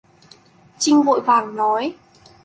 Trinh vội vàng nói